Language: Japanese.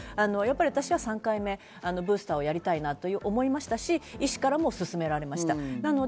私は３回目、ブースターをやりたいなと思いましたし、医師からも勧められました。